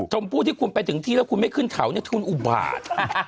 ชมพู่ที่คุณไปถึงที่แล้วคุณไม่ขึ้นเขาคุณอุบาท